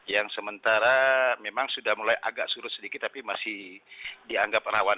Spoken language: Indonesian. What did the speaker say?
yang sementara memang sudah mulai agak surut sedikit tapi masih dianggap rawan